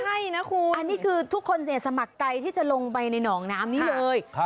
อันนี้คือทุกคนเสียสมัครใจที่จะลงไปในน้องน้ำนี้เลย